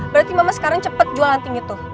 berarti mama sekarang cepet jual anting itu